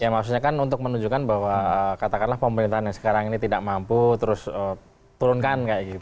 maksudnya kan untuk menunjukkan bahwa katakanlah pemerintahan yang sekarang ini tidak mampu terus turunkan